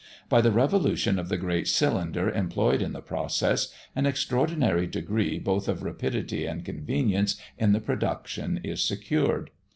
By the revolution of the great cylinder employed in the process, an extraordinary degree both of rapidity and convenience in the production is secured.